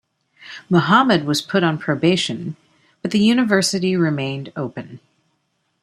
Muhammad was put on probation, but the university remained open.